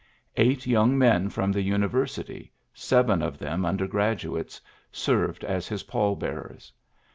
Eight young men from the University, seven of them under graduates, served as his pall bearers.